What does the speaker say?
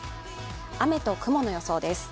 雨と雲の予想です。